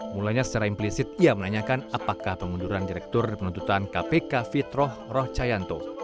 mulanya secara implisit ia menanyakan apakah pengunduran direktur penuntutan kpk fitroh rohcayanto